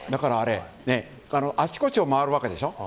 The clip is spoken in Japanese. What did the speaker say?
あちこちを回るわけでしょ。